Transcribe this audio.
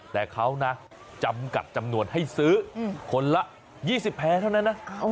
แต่เขานะจำกัดจำนวนให้ซื้อคนละ๒๐แพ้เท่านั้นนะ